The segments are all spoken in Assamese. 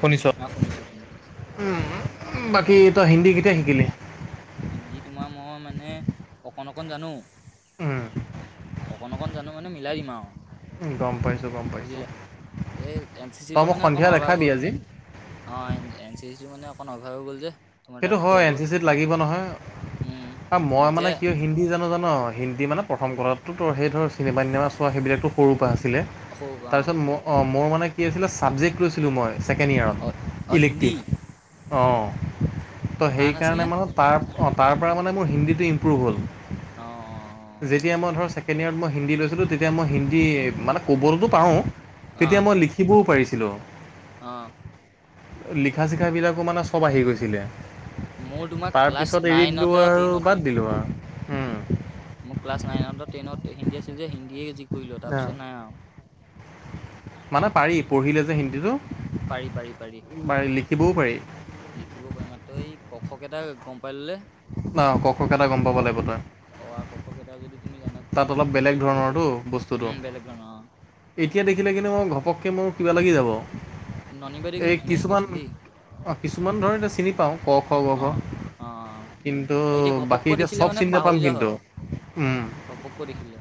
শুনিছোঁ অ'। শুনিছো শুনিছো উম তাকে, হিন্দী তোমাৰ মই মানে অকণ অকণ জানো। উম। অকণ অকণ জানো মানে মিলাই দিম আৰু। গম পাইছোঁ গম পাইছোঁ। বুজিলা এই এন চি চি তই টো মোক মানে অকণ সন্ধিয়া অভাৱ দেখাবি হৈ আজি। অ' এ, এন চিৰ মানে অকণ অভাৱ হৈ গ'ল যে। তোমাৰ সেইটো তাত কৈ হয় এন কৈ চি চিত লাগিব নহয়, উম আৰু মই মানে এতিয়া কিয় হিন্দী জানো জান ন' হিন্দী মানে প্ৰথম কথাটোতো সেই ধৰ চিনেমা টিনেমা চোৱা সেইবিলাকতো সৰুৰ পৰা আছে। সৌ অ তাৰপিছত মোৰ মানে কি আছিলে চাবজেক্ট লৈছিলোঁ মই। ছেকেণ্ড ইয়েৰত, অ অ ইলেক্ট্ৰিভ। হিন্দী অ'। ত' টান আছিল সেইকাৰণে নে মানে তাৰ অ' তাৰপৰা মানে মোৰ হিন্দীটো ইম্প্ৰুভ হ'ল। অ যেতিয়া মই ধৰ ছেকেণ্ড ইয়াৰত মই হিন্দী লৈছিলোঁ তেতিয়া মই হিন্দী মানে ক'বতো পাওঁ, অ তেতিয়া মই লিখিবও পাৰিছিলোঁ। অ'। লিখা চিখাবিলাকো মানে চব আহি গৈছিলে। মোৰ তোমাৰ তাৰ ক্লাছ পিছত এৰি দিলোঁ নাইনতে আৰু বাদ দিলোঁ আৰু উম। মোক ক্লাছ নাইন টেনত হিন্দী আছিল যে হিন্দীয়ে যি কৰিলোঁ তাৰপিছত নাই আৰু। মানে পাৰি পঢ়িলে যে হিন্দীটো। পাৰি পাৰি পাৰি, লিখিবও পাৰি লিখিব পাৰি মাত্ৰই এই ক খ কেইটা গম প পাই ললে, ন ক খ কেইটা গম পাব অ', লাগিব তই অ' আ, ক খ কেইটা যদি তুমি জানা তেতিয়া তাত মানে অলপ ধুনীয়াকৈ বেলেগ লিখি দিব পাৰি ধৰণৰটো বস্তুটো, উম বেলেগ ধৰণৰ অ এতিয়া দেখিলে কিন্তু মই ঘপককৈ মোৰ কিবা লাগি যাব। ননী বাৰীয়ে কিন্তু ধুনীয়া শিকাইছিল দেই। অ' কিছুমান ধৰ এনে চিনি পাওঁ, ক, খ, গ, অ অ অ ঘ। কিন্তু এতিয়া ঘপককৈ বাকী এতিয়া দেখিলে চব মানে চিনি পাহৰি নাপাম যোৱা কিন্তু হয় উম। ঘপককৈ দেখিলে।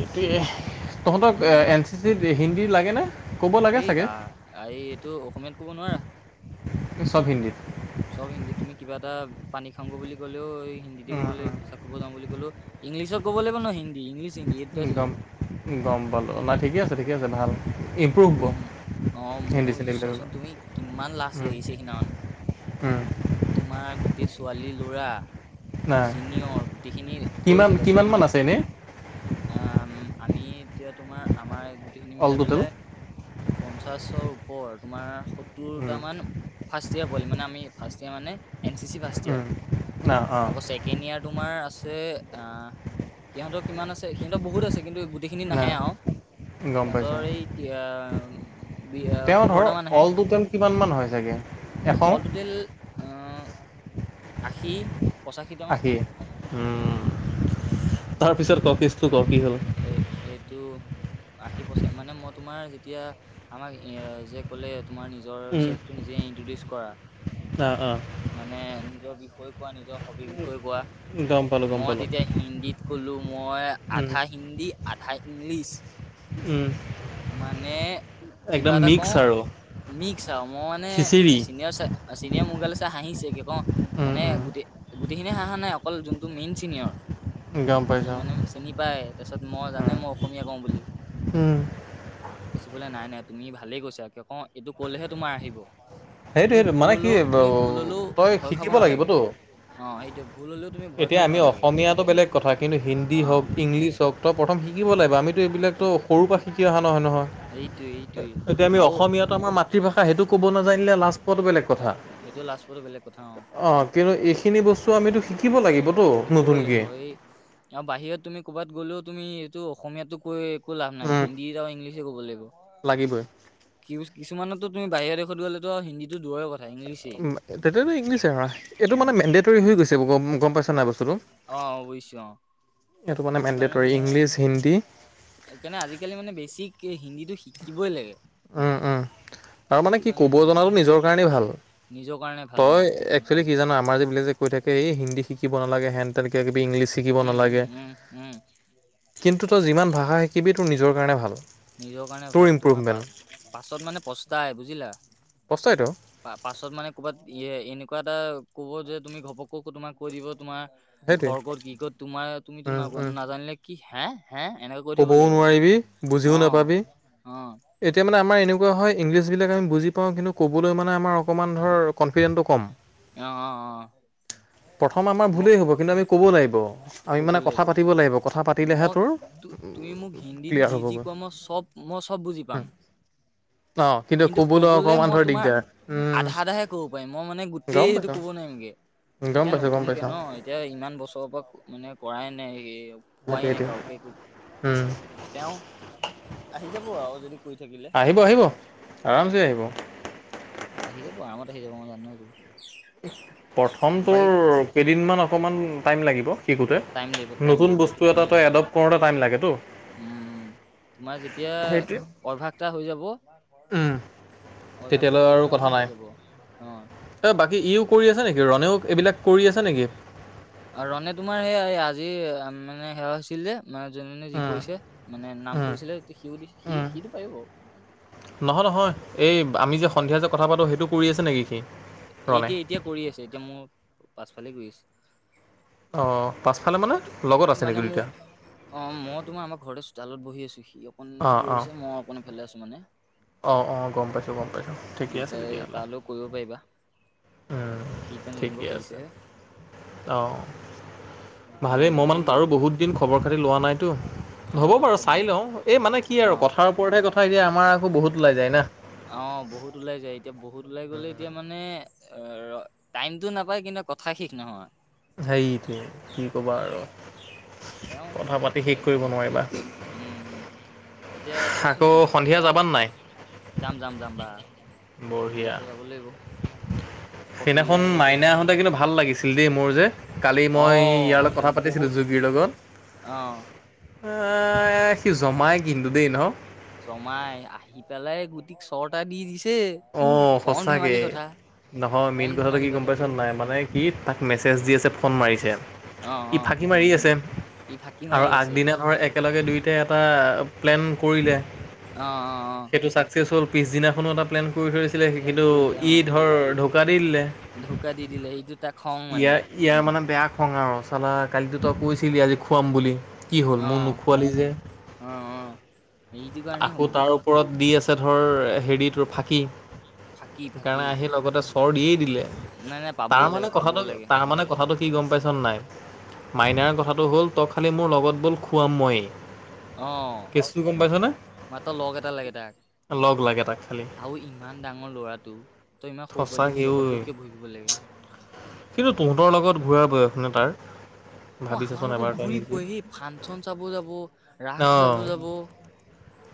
এইটোৱে। তহঁতক উম মই এন চি চিত হিন্দী লা এই বা এই এইটো অসমীয়াত ক'ব নোৱাৰা। চব হিন্দিত? চব হিন্দী তুমি কিবা এটা পানী খাওঁ বুলি ক'লেও এই হিন্দীতে উম ক'ব লাগিব, পেছাব কৰিব যাওঁ বুলি ক'লেও ইংলিছত ক'ব লাগিব ন' হিন্দী ইংলিছ হিন্দী এই দুটাই গম চলিব গম পালোঁ, নাই ঠিকে আছে ঠিকে আছে ভাল। ইম্প্ৰুভ হ'ব অ', অ' হিন্দী মোৰ চিন্দিবিলাক চোৱাচোন তুমি কিমান লাজ উম লাগিছে এইখিনি আহোঁতে। উম তোমাৰ গোটেই ছোৱালী ল'ৰা, নাই চিনিয়ৰ গোটেইখিনি কিমান কৈছে তাৰপিছত কিমানমান মানে আছে এনেই আ, আমি এতিয়া তোমাৰ আমাৰ গোটেইখিনি অল মিলাই টোটেল পেলাই পঞ্চাশৰ ওপৰ, তোমাৰ উম সত্তৰটামান ফাৰ্ষ্ট য়াৰ পোৱালি মানে আমি ফাৰ্ষ্ট য়াৰ মানে এণ চিচি ফাৰ্ষ্ট য়াৰ। উম না অঁ আকৌ চেকেণ্ড য়াৰ তোমাৰ আছে অ' সিহঁতৰ কিমান আছে সিহঁতৰ বহুত আছে কিন্তু গোটেইখিনি না নাহে আৰু গম সিহঁতৰ পাইছোঁ এই তি- আহ, বি- আহ, তেওঁ ধৰ পোন্ধৰটা মান আহে অলটোটেল তেওঁ কিমান মান হয় চাগে। এশ অল টুটেল আশী পঁচাশীটামান আশী? উম! তাৰপিছত কেচটো ক কি হ'ল? এইটো আশী বছৰ মানে মই তোমাৰ যেতিয়া আমাক যে ক'লে তোমাৰ নিজৰ উম, চেল্ফটো নিজে ইনট্ৰডিউচ কৰা। অঁ অঁ মানে নিজৰ বিষয়ে কোৱা নিজৰ হবীৰ বিষয়ে কোৱা। গম পালোঁ গম মই পালোঁ তেতিয়া হিন্দীত ক'লো মই আধা হিন্দী আধা ইংলিছ। উম। মানে কিবা এটা মিক্স কওঁ আৰু মিক্স আৰু মই মানে খিচিৰি চিনিয় চিনিয় মুগাল হাঁহিছে কি ক উম, মানে উম, গোটেই গোটেইখিনিয়ে হাঁহা নাই অকল যোনটো মেইন চিনিয়ৰ। গম সি পাইছোঁ মানে চিনি পায়। তাৰ পিছত মই জানে মই অসমীয়া কওঁ বুলি। কৈছে বোলে নাই নাই তুমি ভালেই কৈছা। অ', এইটো ক'লেহে তোমাৰ আহিব। সেইটো তুমি সেইটো ভুল মানে কি হলেও তুমি ভুল হলেও তই ভয় খাব শিকিব নালাগে লাগিবতো। অ', সেইটোৱে ভুল হ'লেও তুমি ভয় এতিয়া খাব আমি নালাগে। অসমীয়াটো বেলেগ কথা কিন্তু হিন্দী অ হওঁক ইংলিছ হওঁক তই প্ৰথম শিকিব লাগিব। আমিতো শিকি এইবিলাকতো সৰুৰ পৰা শিকি অহা নহয়। নহয় এইটোৱে এইটোৱে এতিয়া আমি আৰু অসমীয়াটো আমাৰ মাতৃভাষা সেইটো ক'ব নাজানিলে লাজ সে- পোৱাতো বেলেগ কথা। সেইটো লাষ্টপতো বেলেগ কথা অ'। অঁ কিন্তু এইখিনি বস্তু আমিতো শিকিব লাগিব। শিকিব লাগিব এই আৰু বাহিৰত তুমি ক'বাত গ'লেও তুমি এইটো অসমীয়াটো কৈ একো লাভ নাই হিন্দী ইংলিছে ক'ব লাগিব। লাগিবই কি-কিছুমানতো তুমি বাহিৰা তত গ'লেলতো আৰু হিন্দীতো তেতিয়ো ইলিছে আৰু এইটো অ মানে মেডেটৰী হৈ গৈছে গ'ম-গ'ম অ', অৱশ্য অ'। এইটো মানে সেইটো কাৰণে মেণ্ডেটৰী মানে ইংলিছ হিন্দী সেইকাৰণে আজিকালি মানে বে বেছিক হিন্দীটো শিকিবই লাগে। উম, উম। তাৰ মানে সেইটো কি কাৰণে ক'ব হি- জনাটো নিজৰ কাৰণেই ভাল। নিজৰ কাৰণে ভাল অ তই একচোৱেলি কি জানা আমাৰ যিবিলাক কৈ থাকে এই হিন্দী শিকিব নালাগে হেন তেনেকৈ কিবি ইংলিছ শিকিব উম, উম, নালাগে। উম, উম, কিন্তু তই যিমান ভাষা শিকিবি তোৰ নিজৰ কাৰণে ভাল। নিজৰ কাৰণে তোৰ ভাল তোমাৰ ইম্প্ৰুভমেণ্ট পা-পাছত মানে প্ৰস্তাই বুজিলা! পস্তাইতো পাছত মানে ক'ৰবাত ই-এনে এনেকুৱা এটা ক'ব যে তুমি ঘপক কৈ তোমাক কৈ দিব তোমাৰ সেইটোৱে ঘৰ ক'ত কি ক'ত তোমাৰ তুমিতো উম, উম। ন-নাজানিলে কি হে হে এনেকে কৈ থাকিব ক'বও লাগিব। নোৱাৰিবি অ', বুজিও নাপাবি। অ', অ', এতিয়া মানে আমাৰ এনেকুৱা হয় ইংলিছবিলাক আমি বুজি পাওঁ কিন্তু ক'বলৈ মানে আমাৰ অকণমান ধৰ কনফিডেন্টো কম। অ', [inaudible] প্ৰথম আমাৰ মই ভুলেই হ'ব। কিন্তু আমি ক'ব লাগিব আমি ক'ব মানে কথা লাগিব পাতিব লাগিব। কথা পাতিলেহে মই তোৰ তু তুমি মোক হিন্দীত ক্লিয়াৰ যি যি হ'বগৈ কোৱা মই চব মই চব বুজি পাম। অঁ কিন্তু ক'বলৈ কবলে অকণমান মই ধৰ তোমাৰ দিগদাৰ উম, আধা আধাহে ক'ব পাৰিম মই মানে গোটেই গম সেইটো পাইছোঁ কব নোৱাৰিম। গম এতিয়া পাইছোঁ গম নতুনকে ন পাইছোঁ এতিয়া ইমান বছৰৰ পৰা মানে কৰাই নাই। কোৱাই সেইটোৱে নাই সেইটোৱে কাওণকে একো। উম, তেওঁ আহি যাব আৰু যদি কৈ থাকিলে। আৰাম চে আহিব। আহি যাব আৰামত আহি যাব মই জানোয়ে এটা। প্ৰথম তোৰ কেইদিনমান অকমান টাইম লাগিব শিকোতে। টাইম লাগিব টাইম নতুন লাগিব এইটো বস্তু টাইম এটা লাগিব তই বাৰু এডপ্ট কৰোতে টাইম লাগেটো। উম, তোমাৰ যেতিয়া অভ্যাস এটা হৈ যাব। উম, অভ্যা টো তেতিয়ালৈ হৈ আৰু গ'লে মানে হৈ যাব, অ'। ই ইও কৰি আছে নেকি? ৰণেও এইবিলাক কৰি আছে নেকি? আ' ৰনে তোমাৰ সেয়া এ আজি- মানে সেৱা হৈছিল যে মা, যোনে যোনে যি উম, কৰিছে মানে নাম উম, কৰিছিলে সিওঁ দি সি উম। সিটো পাৰিব। নহয় নহয়। এই আমি যে সন্ধিয়া যে কথা পাতোঁ সেইটো কৰি আছে নেকি সি? ৰণে এতিয়া এতিয়া কৰি আছে, এতিয়া মোৰ পাছফালে কৰি আছে। অ', পাছফালে মানে সিটো লগত আছে মানে নেকি মোৰ দুইটা? অ', মই তোমাৰ আমাৰ ঘৰতে চোতালত বহি আছোঁ। সি অকণ দূৰত আছে, মই অকণ এইফালে আছোঁ মানে। অ', অ', গম পাইছোঁ গম পাইছোঁ। এ ঠিকে আছে তাই তেতিয়াহ'লে। তালৈ কৰিব পাৰিবা উম, সি এতিয়া নতুনকৈ ঠিকে আছে খুলিছেহে অ'। সেইটো ভালে। মই মানে এই তাৰো বহুত দিন খবৰ খাতি লোৱা নাইতো। হ'ব অ', বাৰু এতিয়া চাই ধুনীয়া লওঁ। এই মানে কি আৰু অ', কথাৰ ওপৰতহে কথা এতিয়া আমাৰ আকৌ বহুত ওলাই যায় না। অ', বহুত ওলাই যায় এতিয়া বহুত ওলাই গ'লে এতিয়া মানে অ', ৰ টাইমটো নাপায় কিন্তু কথা শেষ নহয়। সেইটোৱে কি ক'বা আৰু। তেওঁ কথা পাতি শেষ [unintelligible] একো কৰিব নাই, নোৱাৰিবা উম। এতিয়া কোৱাঁচোন আকৌ ভাত চাত সন্ধিয়া খালানে? যাবান নাই যাম যাম যাম বা। কপিলা বঢ়িয়া চলাব লাগিব। সেইদিনাখন কপিলাই এতিয়া মাইনা আহোঁতে কিন্তু ভাল লাগিছিল দেই মোৰ যে কালি মই ইয়াৰ অ', লগত কথা পাতিছিলোঁ বহুত যোগীৰ লগত। অ', এ' সি জমাই কিন্তু দেই ন? জমাই আহি পেলাই গুটিক চৰটা দি দিছে। সে অঁ কণ সঁচাকে ধেমালি কথা। নহয়, কম মেইন কথাটো ধেমালি কি গম কথা পাইছ এইটো নাই মানে কি তাক মেছেজ দি আছে ফোন মাৰিছে। অ ই অ ফাঁকি মাৰি আছে ই ফাঁকি আৰু মাৰি আছে আগদিনা ধৰ এক একেলগে দুয়োটাই এটা প্লেন কৰিলে। অ', অ', অ'। পিছদিনাখনোঁ অলপ কৰি থৰিছিলে সি, প্লেন কিন্তু কৰিলে অ ই ধৰ ঢকা দি দিলে। ঢৌকা দি দিলে সেইটো তাক খং মানে ইয়াৰ ইয়াৰ মানে বেয়া খং আৰু চালা কালিতো তই কৈছিলি আজি খোৱাম বুলি। কি হ'ল অ মোক নোখোৱালি যে? অ অ সেইটো কাৰণেই হ'ব আকৌ তাৰ ওপৰত দি আছে ধৰ, হেৰি তোৰ ফাঁকী। ফাঁকি ফাঁকি সেইকাৰণে আহি লগতে চৰ দিয়েই দিলে। নাই নাই পাবও তাৰ মানে লাগে পাবও কথাটো লাগে তাৰ মানে কথাটো কি গম পাইছ নাই? মাইনাৰ কথাটো হ'ল তই খালী মোৰ লগত ব'ল খুৱাম ময়েই। অ কেচটো গম পাইছ নে? মাত্ৰ লগ এটা লাগে তাক। লাগে তাক খালি আৰু ইমান ডাঙৰ ল'ৰাটো। তই ইমান সৰু পোৱালিটোক সঁচাকে ঐ লগত লৈ কিয় ঘূৰি ফুৰিব লাগে? কিন্তু তহঁতৰ লগত ঘূৰা বয়স নে তাৰ। অ', ভাবি আমাৰ চাচোন এবাৰ লগত তই ঘূৰি নিজে পৰে সেই ফাংচন চাব যাব, ৰাস অ চাব যাব।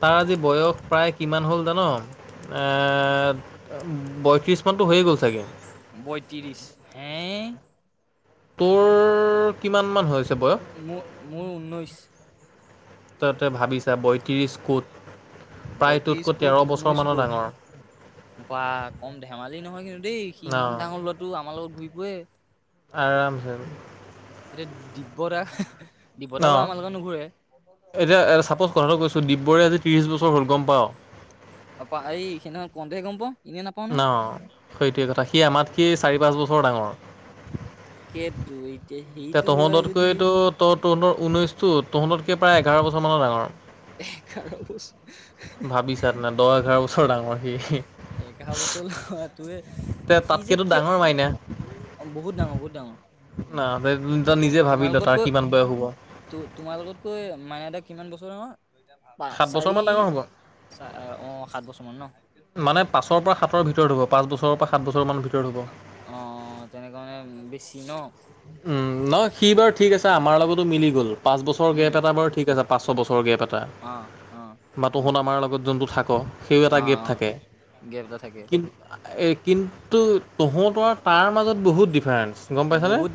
তাৰ আজি বয়স প্ৰায় কিমান হ'ল জান, এ' বয়ত্ৰিশ মানতো হৈয়ে গ'ল চাগে বয়ত্ৰিশ হে'। তোৰ- কিমান মান হৈছে? বয়স মোৰ মোৰ ঊনৈছ। ত' তে ভাবিছা বয়ত্ৰিশ ক'ত। বয়ত্ৰিশ প্ৰায়তোতকৈ ক'ত তেৰ ঊনৈশ বছৰমানৰ ক'ত ডাঙৰ। বা কম ধেমালি নহয় কিন্তু দেই। সি ইমান অঁ ডাঙৰ ল'ৰাটো আমাৰ লগত ঘূৰি ফুৰে। আৰামছে। এতিয়া দিব্যতা দিব্যতা বা অঁ আমাৰ লগত নুঘূৰে এতিয়া চাপ'জ কথাটো কৈছো দিববৰে আজি ত্ৰিশ বছৰ হ'ল গম পা আ প এই সদিনা ক দে গম পা ন সেইটোৱেই কথা সি আমাৰ সি চাৰি পাঁচ বছৰ ডাঙৰ তাকেইেতো এই এতিয়া তহঁততকৈ তো ত তহঁতৰ ঊনৈশ টো তহঁততকে প্ৰায় এঘাৰ বছৰ মানৰ ডাঙৰ এ খাৰচ ভাবিছা তেনে দহ এঘাৰ বছৰ [unintelligible] ডাঙৰ সি এঘ বছৰ ল তে তে সি যে তাতকেতো কিয়? ডাঙৰ মাইনা অ', বহুত ডাঙৰ বহুত ডাঙৰ ন তই নিজে ভাবি ল তাৰ তোমালোকতকৈ কিমান বয়স হ'ব তোমালোকতকৈ মানে কিমান বছৰ ন প সাত চাৰি বছৰমান ডাঙৰ হ'ব চ অ সাত বছৰ মান ন মানে পাছৰ পৰা সাতৰ ভিতৰত হব পাঁচ বছৰৰ পৰা সাত বছৰ মানৰ ভিতৰত হ'ব অ', তেনেককা মানে বেছি ন উম নহ সি বাৰ ঠিক আছে আমাৰ লগতো মিলি গ'ল পাঁচ বছৰ গেপ উম এটা বাৰু ঠিক আছে পাঁচ চ বছৰ গেপ এটা অ', অ', বা তহুন আমাৰ লগত যোনটো থাক সেই এটা অ', গেপ অ', থাকে গেপ এটা থাকে কিন্ত কিন্তু তহঁত আৰু তাৰ মাজত বহুত ডিফাৰেন্ঞ্চ গম পাইছানে বহুত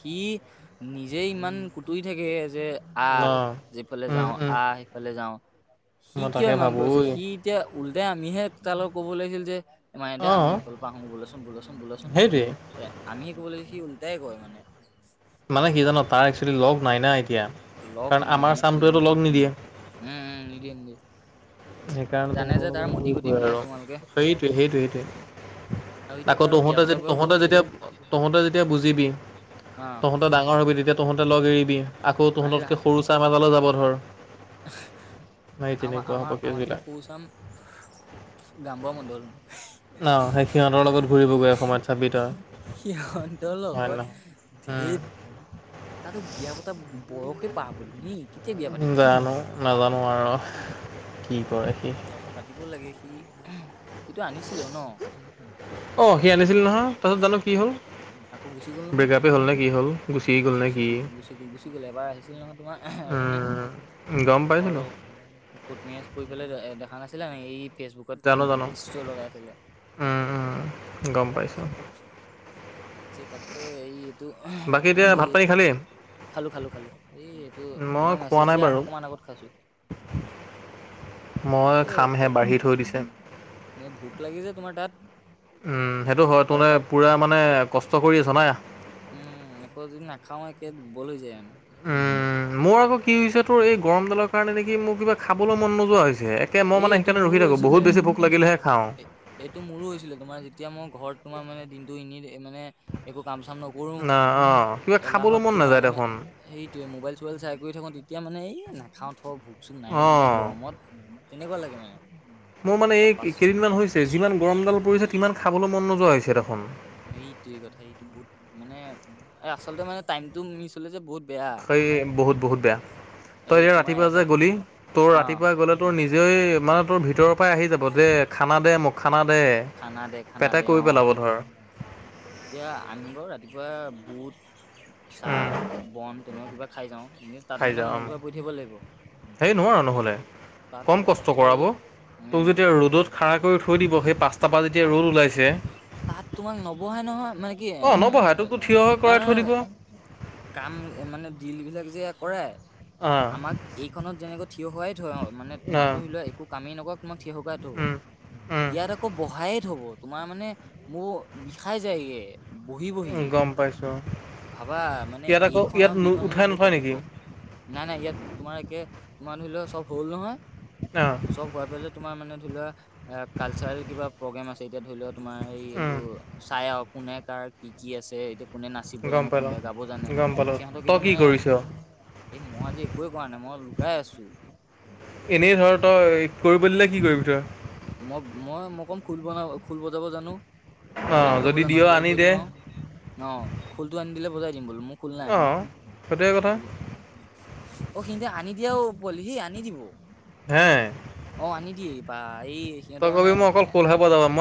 সি নিজে ইমান কুটুৰি থাকে যে ন আহ যিফালে উম, যাওঁ উম, আহ সিফালে যাও সি মই কিয় তাকে ইমান ভাবোঁ কৰিছো ঐ সি এতিয়া উলটাই আমিহে তাৰ লগত কব লাগিছিল যে মায়তিয়া আমি অ', পাহো বোলচোন বোলচোন বোলচোন সেইটোৱেই আমিহে ক'ব লাগ সি উল্টাই কয় মানে মানে কি জানো তাৰ এক্চেলি লগ নাই নাই লক নাই সেইটোৱে নিদিয়ে উম উম নিদ দে সেইকাৰণেতো সকলোৱে লগতে ঘূৰি ফুৰে বিলাক আৰু তোমালোকে সেইটো সেইটোৱে আৰু সেইটোৱেই এতিয়া আকৌ তাৰো বিয়া তহঁতে যে পতা বয়স হৈ তহঁতে গৈছে যেতিয়া তহঁতে যেতিয়া বুজিবি অ', তহঁতে ডাঙৰ হবি তেতিয়া তহঁতে লগ এৰিবি আকৌ আমি লাহে তহঁততকৈ সৰু চাহ মাজালৈ যাব ধৰ সেই আমাৰ তেনেকুৱা হ'ব আমাৰ আমাতকৈ কেছবিলাক সৰুচাম গাম্বোৱা মণ্ডল অ', সেই সিহঁতৰ লগত ঘূৰিবগৈ সময়ত চাবি তই সিহতৰ হয় নে লগত নহয় উম, ধেত তাতো বিয়া পতা বয়সে পা হল এ জানো নাজানো আৰু কি কৰে সি বিয়াখন পাতিব লাগে সি সিটো আনিছিলে ন অ', আনিছিল নহয় তাৰ পছত জানো কি আনি হল? আকৌ গুচি গ'ল নহয় ব্ৰেকআপেই হ'ল নে কি হ'ল নে গুচি কি গ'ল গুচি গ'ল গুচি গ'ল এবাৰ আহিছিলে নহয় তোমাৰ উম, গম ঘৰৰ পাইছিলোঁ লগ কোট মেজ কৰি পেলাই দেখা নাছিলে ন এই ফেচবুকত জানো জানো ষ্টৰ লগাই আছিলে অ অ গম তাৰ পাইছোঁ পাছতহে যে তাকে এই বাকী সি এতিয়া ভাত পানী খালি? খালো খালো খালো এই এইটো মই তোমাক খোৱা মেছেজ নাই দিয়া বাৰু অকমান আগত খাইছো মই খামহে বাঢ়ি থৈ দিছে ন ভোক লাগি যে তোমাৰ তাত উম সেইটো হয় আকৌ তোে তাত পুৰা মানে কষ্ট কৰি জনাই উম এনেকা যদি নাখাও একে দুৰ্বল হৈ যায় মানে উ মোৰ আকৌ কি হৈছে তোৰ এই গৰমডালৰ কাৰণে নেকি মোৰ কিবা খাবলৈ মন নোযোৱা হৈছে একে মই এই মানে এইটো সেইকাৰণে মোৰো ৰখি থাকোঁ হৈছিলে বহুত বেছি ভোক এইটো লাগিলেহে খাওঁ। এইটো মোৰো হৈছিলে তোমাৰ যিটো তেতিয়া মই ঘৰত তোমাৰ মানে দিনটো এনেই মানে একো কাম চাম নকৰোঁ না অ' কিবা খাবলৈ এলাহত মন তোমাৰ নাযায় মানে দেখোন এইটোয়ে মোবাইল চোবাইল চাই কৰি থাকো তেতিয়া মানে এই নাখাও থও ভোক চোক নায়ে এনেই অ'। গৰমত তেনেকুৱা লাগে মানে মোৰ মানে তাৰ এই পাছত কেইদিনমান হৈছে যিমান গৰম ডাল পৰিছে তিমান খাবলৈ মন নোযোৱা হৈছে দেখুন এইটোই কথা এইটো বহুত মানে এই আচলতে মানে টাইমতটো মিচ হলে যে বহুত বেয়া সেই বহুত বহুত বেয়া তই এই এতিয়া তোমাৰ ৰাতিপুৱা এটা যে গলি তোৰ অ ৰাতিপুৱা গ'লে তোৰ নিজ মানে তোৰ ভিতৰৰ পৰাই আহি যাব দে খানা দে মোক খানা দে। খানা দে খানা পেটে দে কৈ অ পেলাব ধৰ এতিয়া আমি বাৰ ৰাতিপুৱা বুট উম, চাহ বন তেনেকুৱা কিবা খাই যাওঁ এনে তাত মানে মোৰ ঘোৰাই পৰি থাকিব লাগিব হে নোৱাৰয় আৰু নহ'লে তাত কম মানে কষ্ট হৈ কৰাব যে তোক উম যেতিয়া ৰ'দত খাৰা কৰি থৈ দিব সেই পাচ তাৰপৰা যেতিয়া ৰ'ল ওলাইছে তাত তোমাক নবহাই নহয় মানে কি এ অঁ নবহাই তোকতো থিয় হৈ কৰাই থৈ দিব অঁ কাম মানে বিল বিলাক যে কৰে অ', আমাক এইখনত যেনেকৈ থিয় হোৱাই থ মানে তোমাক অঁ ধৰি লোৱা একো কামেই নকক তোমাক থিয় কোই থব উম উম ইয়াত আকৌ ব়াই থ হব তোমাৰ মানে মোৰ বিষাই যায়গে বহি বহি গম পাইছো ভাবা মানে এইখন আৰু নো বিখন মানে উঠাই বহুত নথয় পাৰ্থক্য নেকি নাই নাই ইয়াত তোমাৰ একে তোমাৰ ধৰি লও চব হ'ল নহয় অঁ চব হোৱাৰ পেলে তোমাৰ মানে এ কালচাৰেল কিবা প্ৰগ্ৰেম আছে এতিয়া ধৰি লোৱা তোমাৰ এই এইটো উম চাইক কোনে কাৰ কি কি আছে কোনে নাচিব গম জানে পালোঁ কোনোবাই গাব জানে গম পালোঁ সিহঁতক তই এতিয়া কি মানে কৰিছ এই মই আজি একোৱে কৰা নাই মই লুকাই আছো এনেই ধৰ তই কৰিব দিলে কি কৰিবি তই- মই- মই -মই কম খোল বনাব, খোল বজাব জানো। হৰি অঁ নাম গাব যদি জানো। দিয় সেইডাল আনি কৰি দে দিম আৰু ন। খোলটো আনি দিলে বজাই দিম বোলো মোক। নাই অঁ সেইটোৱে কথা অ, আনি দিয়া অ, পোৱালি সি আনি দিব। হে অ, ' আনি দিয়ে বা। এই তই সিহঁতৰ কবি মই মানে অকল ফোলহে বজাবা মই